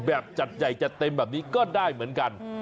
แบบจัดใหญ่จัดเต็มแบบนี้ก็ได้เหมือนกัน